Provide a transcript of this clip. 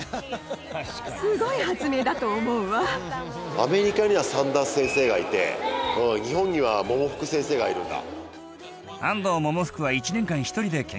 アメリカにはサンダース先生がいて日本には百福先生がいるんだ。